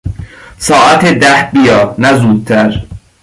ساعت ده بیا، نه زودتر.